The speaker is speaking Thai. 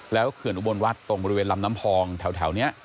เขื่อนอุบลวัดตรงบริเวณลำน้ำพองแถวนี้